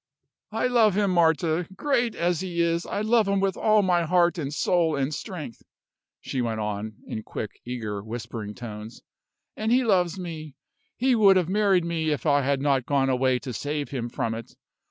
"I love him, Marta; great as he is, I love him with all my heart and soul and strength," she went on, in quick, eager, whispering tones; "and he loves me. He would have married me if I had not gone away to save him from it.